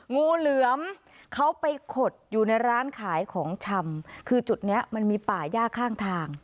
งูเหลือมเขาไปขดอยู่ในร้านขายของชำคือจุดเนี้ยมันมีป่าย่าข้างทาง